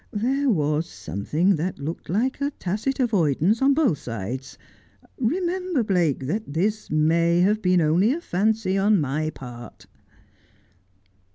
There was something that looked like a tacit avoidance on both sides. Bemember, Blake, this may have been only a fancy on my part.'